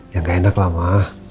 ya gak enak lah